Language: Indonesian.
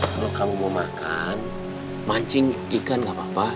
kalau kamu mau makan mancing ikan nggak apa apa